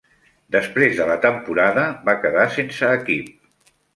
Després de la temporada, va quedar sense equip.